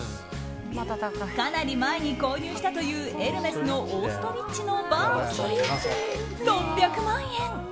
かなり前に購入したというエルメスのオーストリッチのバーキン、６００万円。